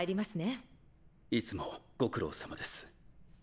いつもご苦労さまです。